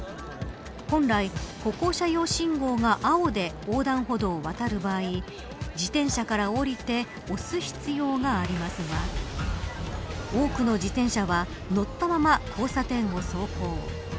本来、歩行者用信号が青で横断歩道を渡る場合自転車から降りて押す必要がありますが多くの自転車は乗ったまま交差点を走行。